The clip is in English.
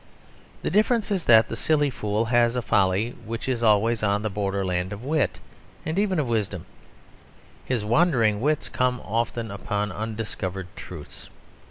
The difference is that the silly fool has a folly which is always on the borderland of wit, and even of wisdom; his wandering wits come often upon undiscovered truths.